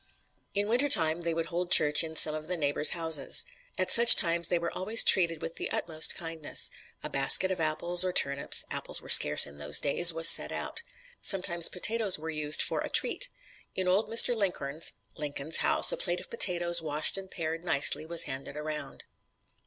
"In winter time they would hold church in some of the neighbors' houses. At such times they were always treated with the utmost kindness; a basket of apples, or turnips apples were scarce in those days was set out. Sometimes potatoes were used for a 'treat.' In old Mr. Linkhorn's (Lincoln's) house a plate of potatoes, washed and pared nicely, was handed around."